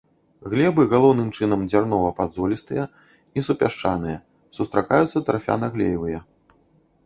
Глебы галоўным чынам дзярнова-падзолістыя і супясчаныя, сустракаюцца тарфяна-глеевыя.